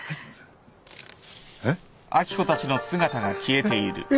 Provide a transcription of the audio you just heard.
えっ？